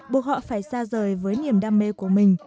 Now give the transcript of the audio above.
buộc họ phải xa rời với niềm đam mê của mình